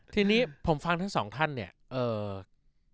ทีนี้ผมฟังทั้ง๒ท่านเนี่ย